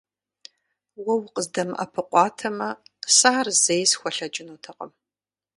Уэ укъыздэмыӀэпыкъуатэмэ, сэ ар зэи схуэлъэкӀынутэкъым.